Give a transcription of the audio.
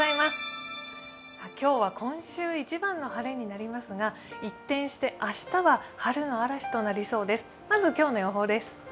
今日は今週一番の晴れになりますが、一転して明日は春の嵐となりそうです。